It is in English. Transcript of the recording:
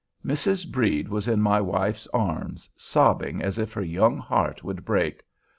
Mrs. Brede was in my wife's arms, sobbing as if her young heart would break.